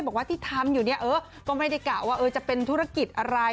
บอกว่าที่ทำอยู่เนี่ยเออก็ไม่ได้กะว่าจะเป็นธุรกิจอะไร